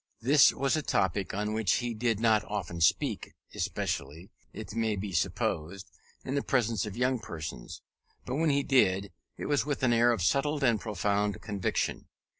This was a topic on which he did not often speak, especially, it may be supposed, in the presence of young persons: but when he did, it was with an air of settled and profound conviction.